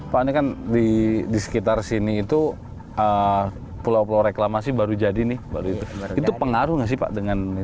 pak ini kan di sekitar sini itu pulau pulau reklamasi baru jadi nih itu pengaruh nggak sih pak dengan ini